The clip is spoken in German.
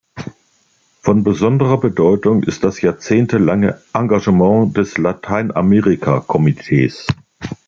Von besonderer Bedeutung ist das jahrzehntelange Engagement des Lateinamerika-Komitees.